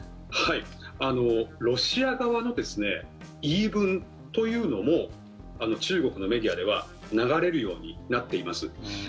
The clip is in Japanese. ロシア側の言い分というのも中国のメディアでは流れるようになっています。